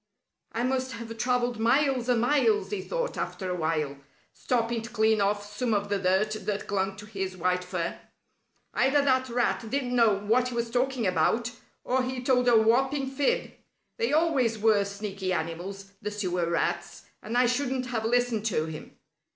"I must have traveled miles and miles," he thought after a while, stopping to clean off some of the dirt that clung to his white fur. "Either that Rat didn't know what he was talking about, or he told a whopping fib. They always were sneaky animals, the Sewer Rats, and I shouldn't have listened to him."